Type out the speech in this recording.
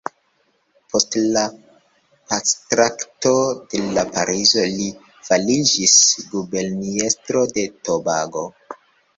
Post la Pactraktato de Parizo, li fariĝis guberniestro de Tobago.